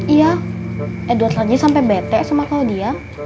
iya edward lagi sampe bete sama claudia